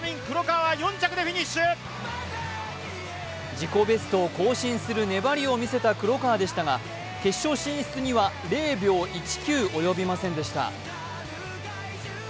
自己ベストを更新する粘りを見せた黒川でしたが決勝進出には０秒１９及びませんでした。